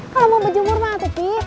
kalau mau bejumur mana tuh pi